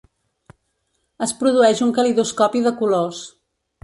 Es produeix un calidoscopi de colors.